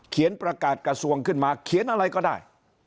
ประกาศกระทรวงขึ้นมาเขียนอะไรก็ได้